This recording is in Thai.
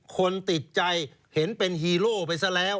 คนติดใจเห็นเป็นฮีโร่ไปซะแล้ว